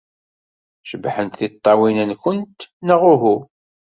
Cebḥent tiṭṭawin-nwent, neɣ uhu?